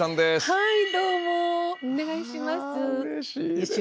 はい。